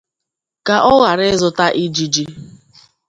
ka ọ ghara izuta ijiji.